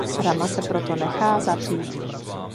Rama se proto nechá zavřít.